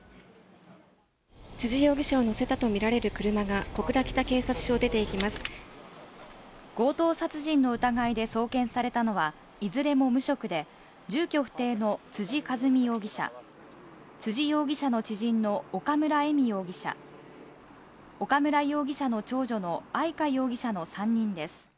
辻容疑者を乗せたと見られる強盗殺人の疑いで送検されたのはいずれも無職で、住居不定の辻和美容疑者、辻容疑者の知人の岡村恵美容疑者、岡村容疑者の長女の愛香容疑者の３人です。